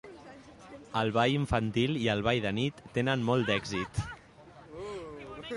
El ball infantil i el ball de nit tenen molt d'èxit.